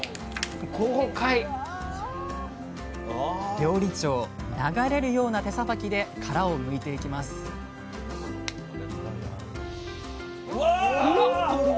料理長流れるような手さばきで殻をむいていきますうわっ！